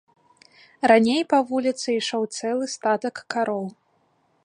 Раней па вуліцы ішоў цэлы статак кароў.